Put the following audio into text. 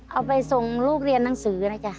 เอาไปส่งลูกเรียนหนังสือนะจ๊ะ